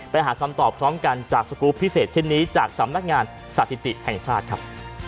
ไปหาคำตอบพร้อมกันจากสกรูปพิเศษเช่นนี้จากสำนักงานสถิติแห่งชาติครับ